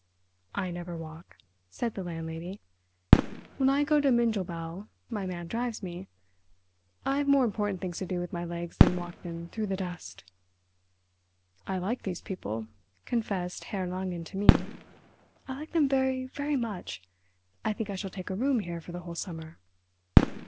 "I never walk," said the landlady; "when I go to Mindelbau my man drives me—I've more important things to do with my legs than walk them through the dust!" "I like these people," confessed Herr Langen to me. "I like them very, very much. I think I shall take a room here for the whole summer."